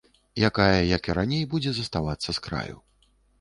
Якая, як і раней, будзе заставацца з краю.